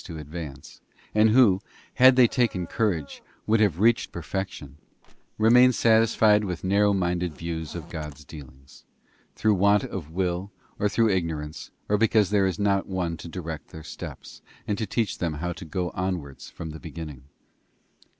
Cowardice, advance —and who, had they taken courage, would have' reached perfection — remain satisfied with narrow minded views of God's dealings, through want of will or through ignorance, or because there is not one to direct their steps, and to teach them how to go onwards from the beginning.